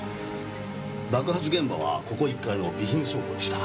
爆発現場はここ１階の備品倉庫でした。